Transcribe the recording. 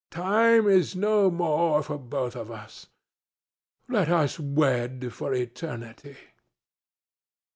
Time is no more for both of us. Let us wed for eternity."